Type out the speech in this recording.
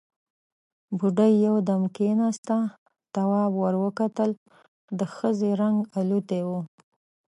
بوډۍ يودم کېناسته، تواب ور وکتل، د ښځې رنګ الوتی و.